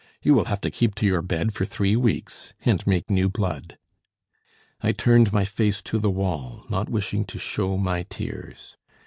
you will have to keep to your bed for three weeks, and make new blood." I turned my face to the wall, not wishing to show my tears.